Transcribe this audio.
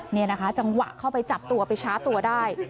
นี่นะคะจังหวะเข้าไปจับตัวไปช้าตัวได้